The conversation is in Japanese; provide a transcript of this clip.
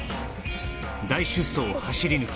大出走を走り抜き